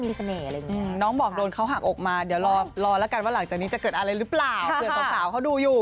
พี่โล่โดนแต่เขาหักอก